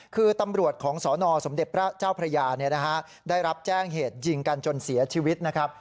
คือตำรวจของสนสมเด็จพระเจ้าพระยาได้รับแจ้งเหตุยิงกันจนเสียชีวิตนะครับ